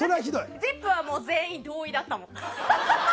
「ＺＩＰ！」は全員合意だったもん。